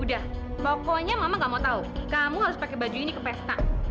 udah pokoknya mama gak mau tahu kamu harus pakai baju ini ke pesta